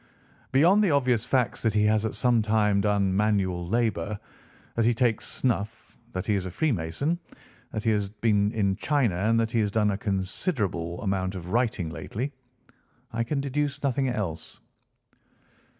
"Beyond the obvious facts that he has at some time done manual labour, that he takes snuff, that he is a Freemason, that he has been in China, and that he has done a considerable amount of writing lately, I can deduce nothing else."